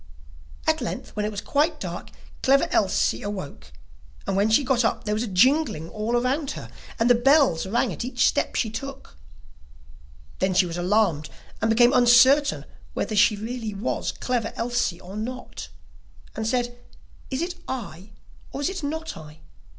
At length, when it was quite dark, Clever Elsie awoke and when she got up there was a jingling all round about her, and the bells rang at each step which she took. Then she was alarmed, and became uncertain whether she really was Clever Elsie or not, and said: 'Is it I, or is it not I?